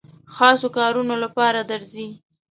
خاصو کارونو لپاره درځي.